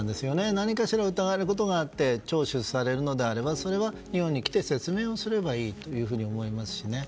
何等か疑われる話があって聴取されるのであればそれは日本に来て説明をすればいいと思いますしね。